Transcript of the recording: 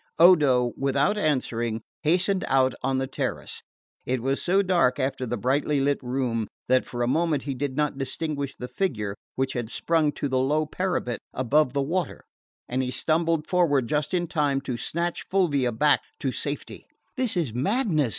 Odo, without answering, hastened out on the terrace. It was so dark after the brightly lit room that for a moment he did not distinguish the figure which had sprung to the low parapet above the water; and he stumbled forward just in time to snatch Fulvia back to safety. "This is madness!"